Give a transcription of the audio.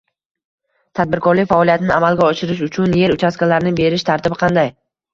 Tadbirkorlik faoliyatini amalga oshirish uchun er uchastkalarini berish tartibi qanday?